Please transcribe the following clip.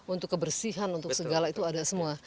untuk kebersihan untuk segala itu ada semua